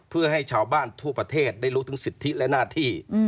เพื่อให้ชาวบ้านทั่วประเทศได้รู้ถึงสิทธิและหน้าที่